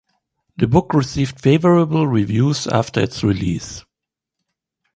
The book received favorable reviews after its release.